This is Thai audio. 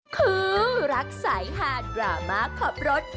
คือรักสายฆ่ากรามาขอบรส